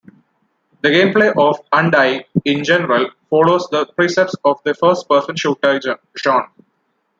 The gameplay of "Undying" in general follows the precepts of the first-person shooter genre.